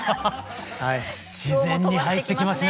自然に入ってきますね